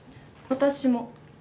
私も。